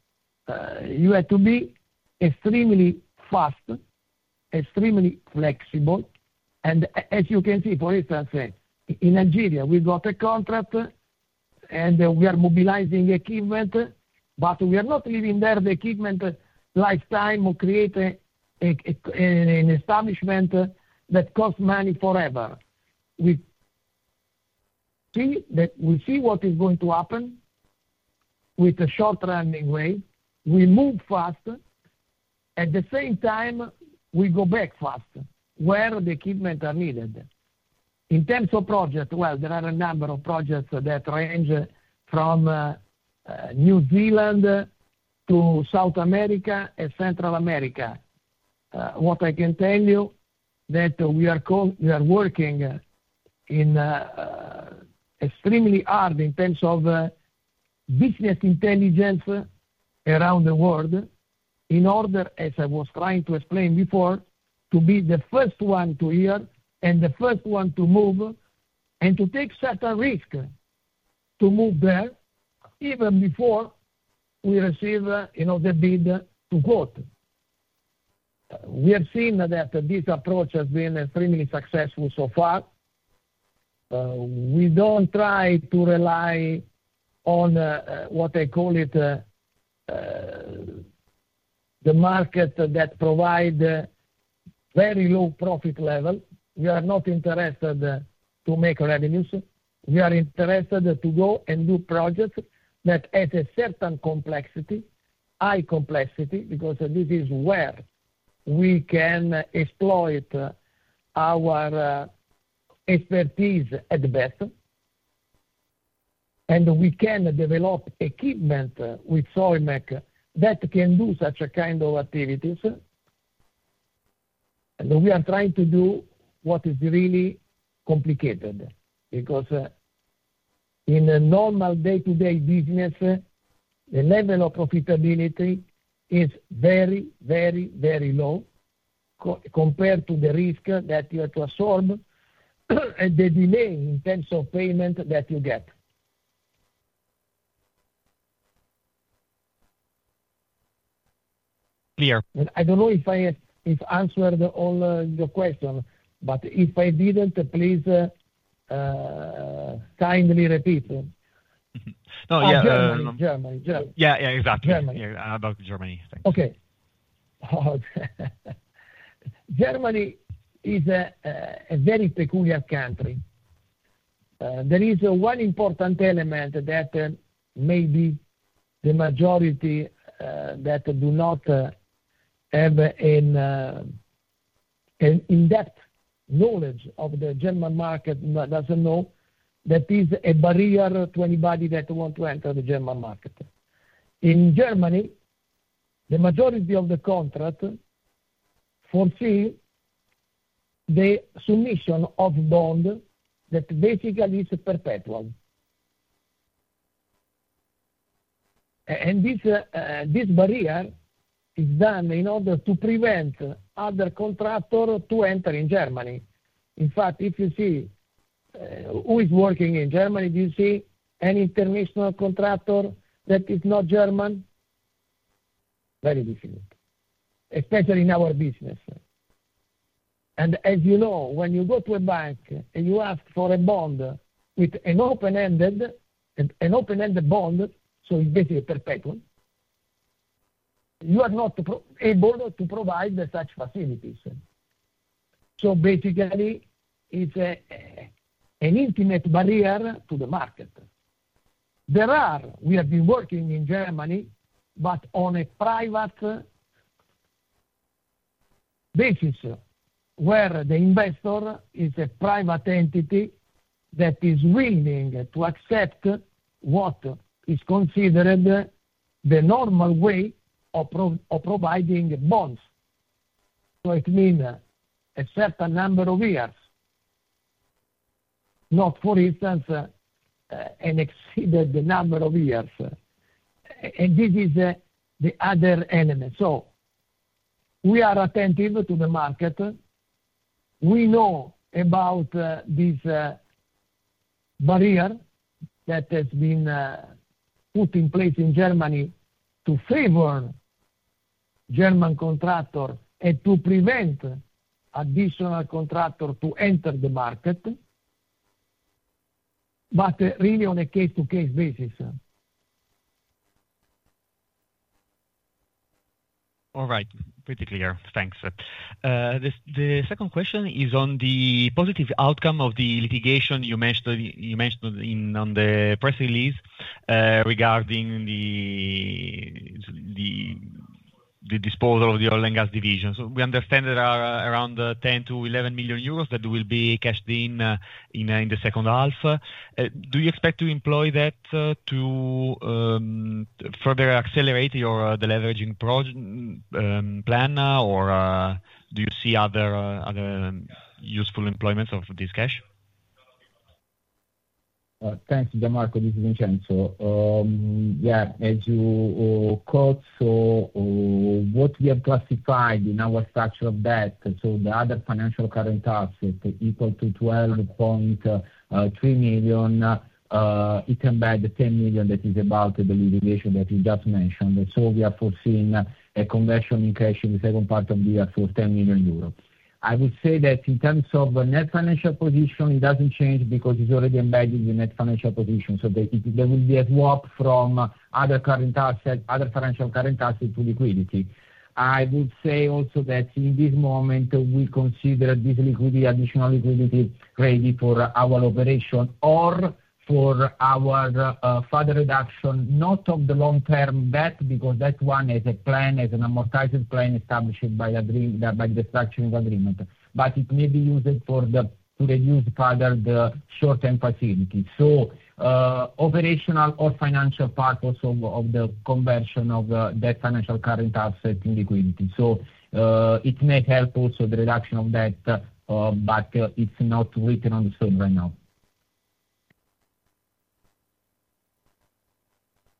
You have to be extremely fast, extremely flexible. As you can see, for instance, in Nigeria, we got a contract and we are mobilizing equipment, but we are not leaving there the equipment lifetime to create an establishment that costs money forever. We see what is going to happen with a short running way. We move fast. At the same time, we go back fast where the equipment is needed. In terms of projects, there are a number of projects that range from New Zealand to South America and Central America. What I can tell you is that we are working extremely hard in terms of business intelligence around the world in order, as I was trying to explain before, to be the first one to hear and the first one to move and to take certain risks to move there even before we receive the bid to vote. We have seen that this approach has been extremely successful so far. We don't try to rely on what I call the market that provides a very low profit level. We are not interested to make revenues. We are interested to go and do projects that have a certain complexity, high complexity, because this is where we can exploit our expertise at best. We can develop equipment with Soilmec that can do such kinds of activities. We are trying to do what is really complicated because in a normal day-to-day business, the level of profitability is very, very, very low compared to the risk that you have to absorb and the delay in terms of payment that you get. Clear. I don't know if I answered all your questions, but if I didn't, please kindly repeat. Oh, yeah. Germany. Yeah, yeah, exactly. Germany. I'm about Germany. Okay. Germany is a very peculiar country. There is one important element that maybe the majority that do not have an in-depth knowledge of the German market doesn't know that is a barrier to anybody that wants to enter the German market. In Germany, the majority of the contractors foresee the submission of bonds that basically is perpetual. This barrier is done in order to prevent other contractors to enter in Germany. In fact, if you see who is working in Germany, do you see an international contractor that is not German? Very difficult, especially in our business. As you know, when you go to a bank and you ask for a bond with an open-ended bond, so it's basically perpetual, you are not able to provide such facilities. Basically, it's an intimate barrier to the market. We have been working in Germany, but on a private basis where the investor is a private entity that is willing to accept what is considered the normal way of providing bonds. It means a certain number of years, not, for instance, an exceeded number of years. This is the other element. We are attentive to the market. We know about this barrier that has been put in place in Germany to favor German contractors and to prevent additional contractors to enter the market, but really on a case-to-case basis. All right. Pretty clear. Thanks. The second question is on the positive outcome of the litigation you mentioned on the press release regarding the disposal of the oil and gas division. We understand that there are around 10 million- 11 million euros that will be cashed in in the second half. Do you expect to employ that to further accelerate your deleveraging plan, or do you see other useful employments of this cash? Thanks, Gian Marco. This is Vincenzo. Yeah. As you quote, what we have classified in our structure of debt to the other financial current assets equal to 12.3 million. It embeds 10 million that is about the deleveraging that you just mentioned. We are pursuing a conventional increase in the second part of the year for 10 million euros. I would say that in terms of net financial position, it doesn't change because it's already embedded in the net financial position. There will be a swap from other current assets, other financial current assets to liquidity. I would say also that in this moment, we consider this liquidity, additional liquidity ready for our operation or for our further reduction, not of the long-term debt because that one is a plan, is an amortized plan established by the structuring agreement. It may be used to reduce further the short-term facility. Operational or financial part also of the conversion of that financial current asset in liquidity. It may help also the reduction of debt, but it's not written on the stone right now.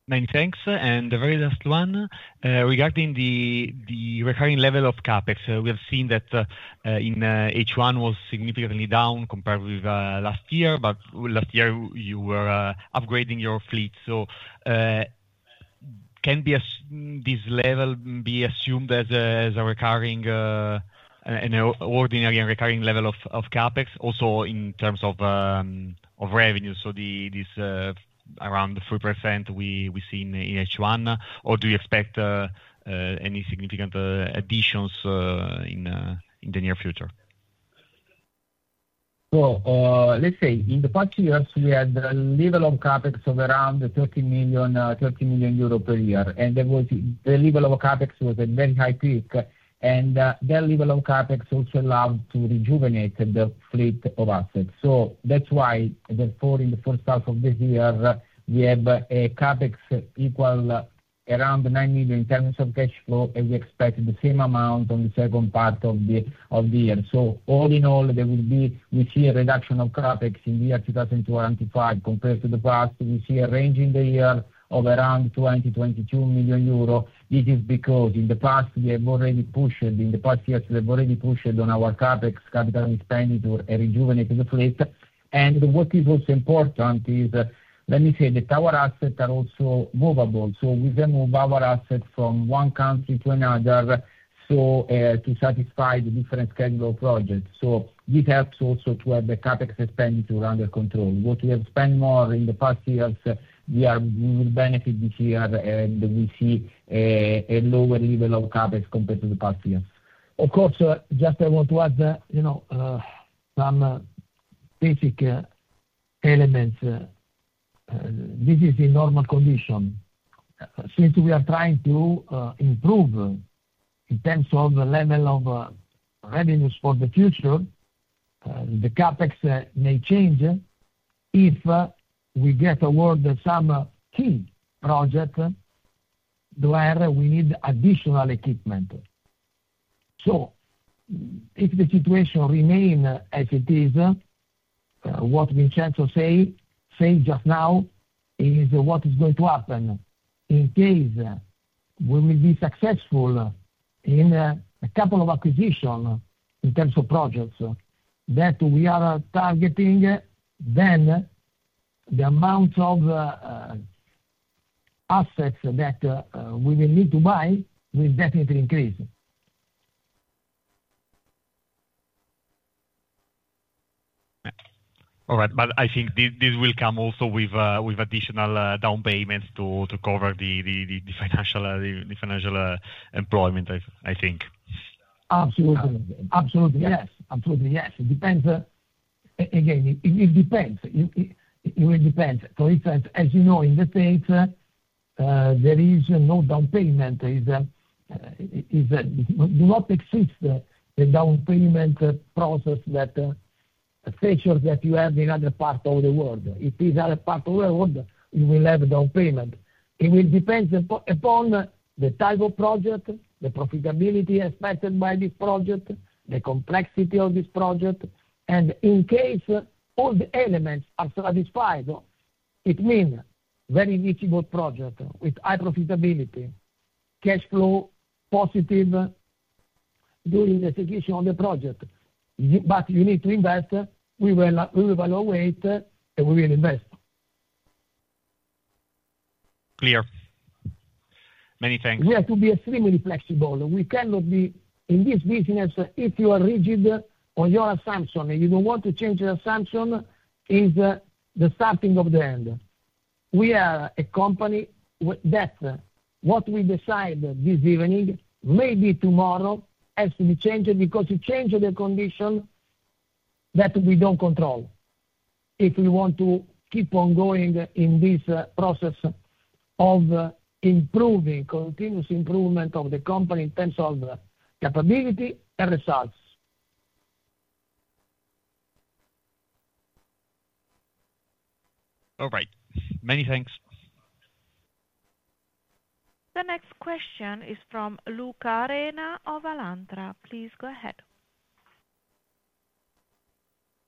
Many thanks. The very last one, regarding the recurring level of CapEx, we have seen that in H1 was significantly down compared with last year, but last year, you were upgrading your fleet. Can this level be assumed as an ordinary and recurring level of CapEx, also in terms of revenue? This around 3% we see in H1, or do you expect any significant additions in the near future? In the past years, we had a level of CapEx of around 30 million per year. The level of CapEx was at a very high peak. That level of CapEx also allowed to rejuvenate the fleet of assets. That's why, therefore, in the first half of this year, we have a CapEx equal to around 9 million in terms of cash flow, and we expect the same amount in the second part of the year. All in all, we see a reduction of CapEx in 2025 compared to the past. We see a range in the year of around 20 million-22 million euro. This is because in the past, we have already pushed on our CapEx and rejuvenated the fleet. What is also important is, let me say, that our assets are also movable. We then move our assets from one country to another to satisfy the different schedule of projects. This helps also to have the CapEx expenditure under control. What we have spent more in the past years, we will benefit this year, and we see a lower level of CapEx compared to the past year. Of course, I want to add some basic elements. This is the normal condition. Since we are trying to improve in terms of the level of revenues for the future, the CapEx may change if we get awarded some key projects where we need additional equipment. If the situation remains as it is, what Vincenzo said just now is what is going to happen. In case we will be successful in a couple of acquisitions in terms of projects that we are targeting, then the amount of assets that we will need to buy will definitely increase. All right. I think this will come also with additional down payments to cover the financial employment, I think. Absolutely. Absolutely. Yes. Absolutely. Yes. It depends. Again, it will depend. For instance, as you know, in the U.S., there is no down payment. It does not exist, a down payment process of that stature that you have in other parts of the world. If it is in other parts of the world, you will have a down payment. It will depend upon the type of project, the profitability expected by this project, the complexity of this project. In case all the elements are satisfied, it means a very reachable project with high profitability, cash flow positive during the execution of the project. You need to invest. We will evaluate and we will invest. Clear. Many thanks. We have to be extremely flexible. We cannot be in this business if you are rigid on your assumption, and you don't want to change your assumption, it is the starting of the end. We are a company that what we decide this evening, maybe tomorrow, has to be changed because it changes the condition that we don't control if we want to keep on going in this process of improving, continuous improvement of the company in terms of capability and results. All right, many thanks. The next question is from Luca Arena of Alantra. Please go ahead.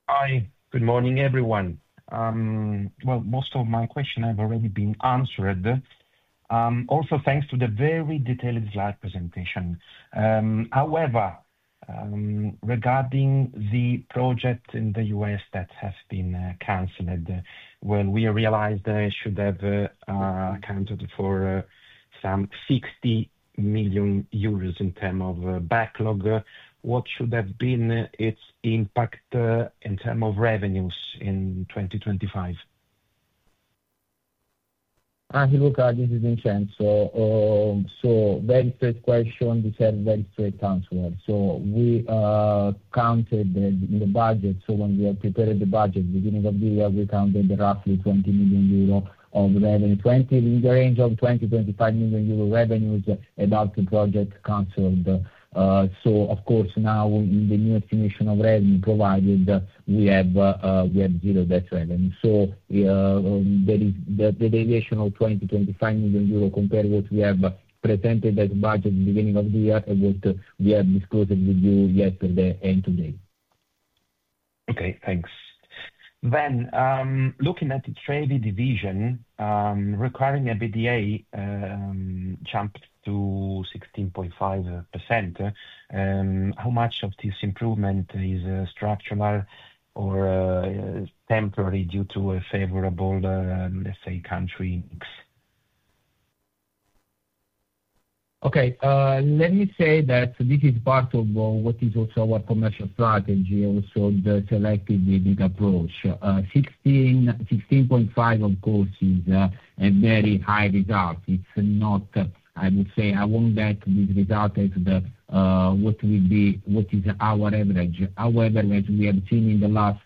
Hi. Good morning, everyone. Most of my questions have already been answered. Also, thanks for the very detailed slide presentation. Regarding the project in the U.S. that has been canceled, we realized that it should have accounted for about 60 million euros in terms of backlog. What should have been its impact in terms of revenues in 2025? Luca, this is Vincenzo. Very straight question. This has a very straight answer. We counted in the budget. When we prepared the budget at the beginning of the year, we counted roughly 20 million euro of revenue, in the range of 20 million-25 million euro revenues without the project canceled. Of course, now in the new explanation of revenue provided, we have zero that revenue. There is the deviation of 20 million-25 million euro compared with what we have presented as budget at the beginning of the year and what we have discussed with you yesterday and today. Okay. Thanks. Looking at the TREVI division, recurring EBITDA jumped to 16.5%. How much of this improvement is structural or temporary due to a favorable, let's say, country? Okay. Let me say that this is part of what is also our commercial strategy, also the selective bidding approach. 16.5% is a very high result. It's not, I would say, I want that to be the result that what will be, what is our average. However, as we have seen in the last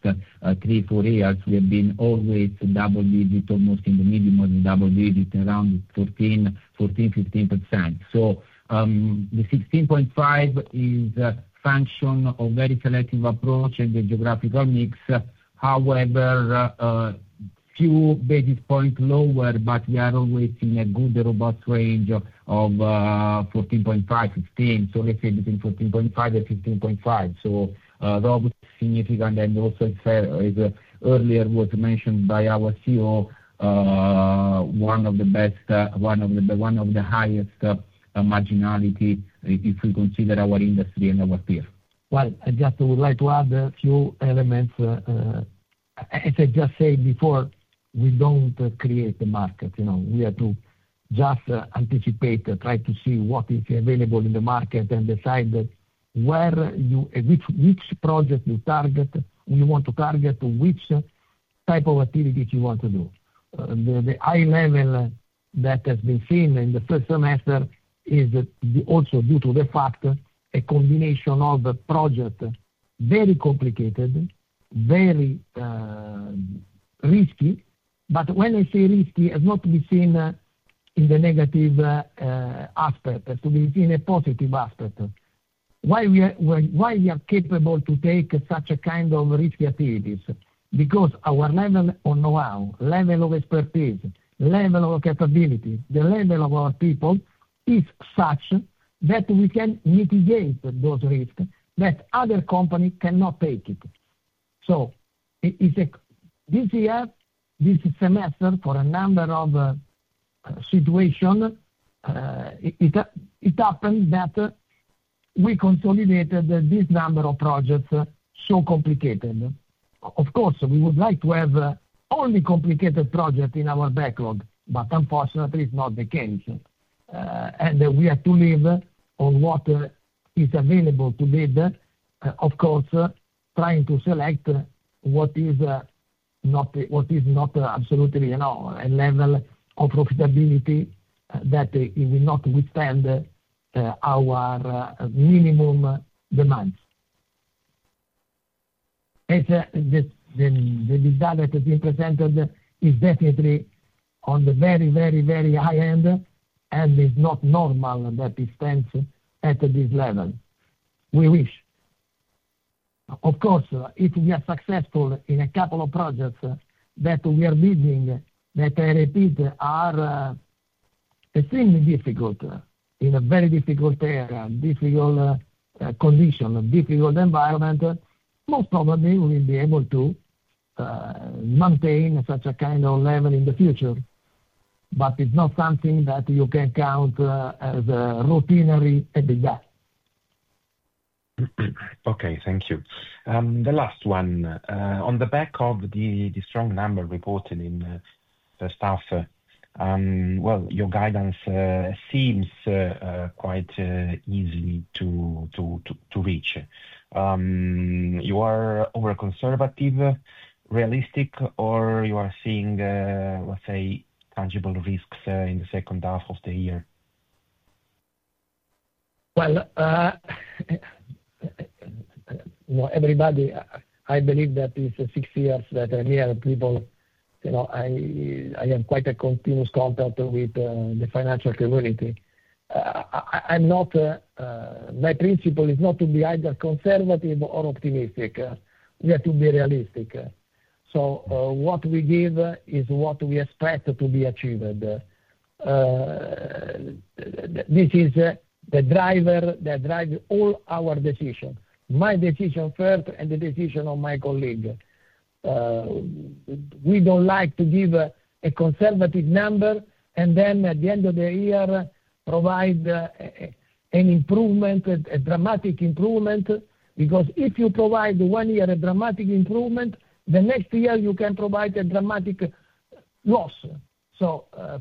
three, four years, we have been always double-digit, almost in the medium as a double-digit, around 14, 14, 15. Excellent. The 16.5 is a function of the retroactive approach and the geographical mix. However, two basis points lower, but we are always in a good robust range of 14.5-16. Let's say between 14.5 and 15.5. Robust, significant, and also fair as earlier was mentioned by our CEO, one of the best, one of the highest marginality if we consider our industry and our peer. I just would like to add a few elements. As I just said before, we don't create the market. You know, we have to just anticipate, try to see what is available in the market and decide where you, as each project you target, you want to target which type of activity you want to do. The high level that has been seen in the first semester is also due to the fact a combination of projects is very complicated, very risky. When I say risky, it's not to be seen in the negative aspect, to be seen in a positive aspect. Why are we capable to take such a kind of risky activities? Because our level of know-how, level of expertise, level of capability, the level of our people is such that we can mitigate those risks that other companies cannot take. This year, this semester, for a number of situations, it happens that we consolidated this number of projects so complicated. Of course, we would like to have only complicated projects in our backlog, but unfortunately, it's not the case. We have to live on what is available to live, of course, trying to select what is not, what is not absolutely, you know, a level of profitability that will not withstand our minimum demands. The result that has been presented is definitely on the very, very, very high end, and it's not normal that we stand at this level. We wish. Of course, if we are successful in a couple of projects that we are leading, that I repeat, are extremely difficult, in a very difficult era, difficult condition, difficult environment, most probably we will be able to maintain such a kind of level in the future. It's not something that you can count as a routinary EBITDA. Okay. Thank you. The last one. On the back of the strong number reported in the first half, your guidance seems quite easy to reach. Are you over-conservative, realistic, or are you seeing, let's say, tangible risks in the second half of the year? I believe that it's six years that I'm here at people. You know, I am quite in continuous contact with the financial community. My principle is not to be either conservative or optimistic. We have to be realistic. What we give is what we expect to be achieved. This is the driver that drives all our decisions, my decision first and the decision of my colleague. We don't like to give a conservative number and then, at the end of the year, provide an improvement, a dramatic improvement, because if you provide one year a dramatic improvement, the next year you can provide a dramatic loss.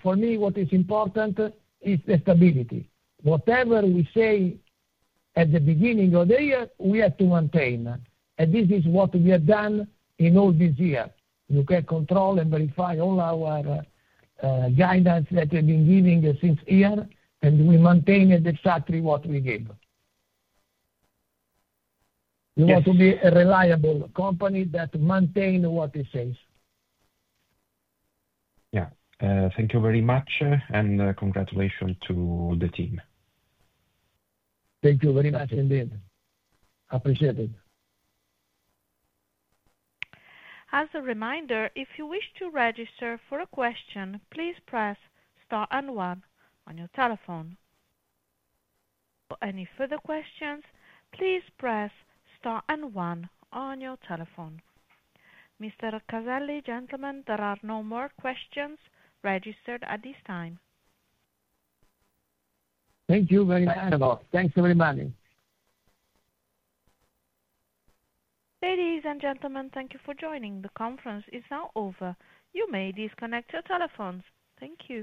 For me, what is important is the stability. Whatever we say at the beginning of the year, we have to maintain. This is what we have done in all this year. You can control and verify all our guidance that we have been giving since here, and we maintain exactly what we give. You want to be a reliable company that maintains what it says. Thank you very much, and congratulations to the team. Thank you very much, indeed. Appreciate it. As a reminder, if you wish to register for a question, please press star and one on your telephone. For any further questions, please press star and one on your telephone. Mr. Caselli, gentlemen, there are no more questions registered at this time. Thank you very much. Thank you very much. Ladies and gentlemen, thank you for joining. The conference is now over. You may disconnect your telephones. Thank you.